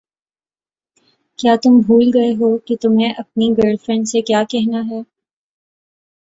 کیا تم بھول گئے ہو کہ تمہیں اپنی گرل فرینڈ سے کیا کہنا ہے؟